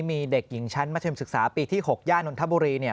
มีเด็กหญิงชั้นมศปีที่๖ย่านนทบุรี